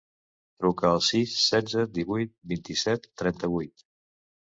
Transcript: Truca al sis, setze, divuit, vuitanta-set, trenta-vuit.